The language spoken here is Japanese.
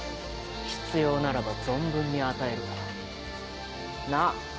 必要ならば存分に与えるが。なぁ？